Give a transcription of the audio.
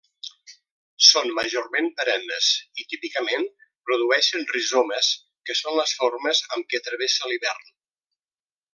Són majorment perennes i típicament produeixen rizomes que són les formes amb què travessa l'hivern.